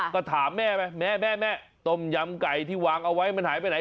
ก็ถามแม่ไปแม่แม่ต้มยำไก่ที่วางเอาไว้มันหายไปไหน